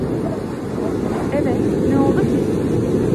Evet, ne oldu ki?